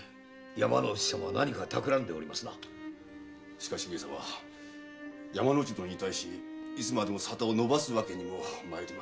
しかし上様山之内殿に対しいつまでも沙汰を延ばすわけにもまいりません。